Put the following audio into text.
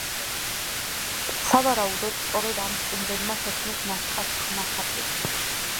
სავარაუდოდ, სწორედ ამ სტუმრებმა შექმნეს ნასკას ნახატები.